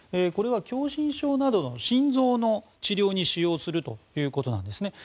これは狭心症などの心臓の治療に使用するということなんです。